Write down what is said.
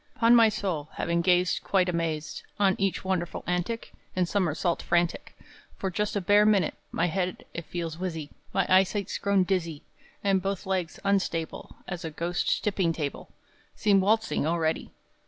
'Pon my soul, Having gazed Quite amazed, On each wonderful antic And summersault frantic, For just a bare minute, My head, it feels whizzy; My eyesight's grown dizzy; And both legs, unstable As a ghost's tipping table, Seem waltzing, already!